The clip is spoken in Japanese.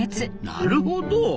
なるほど。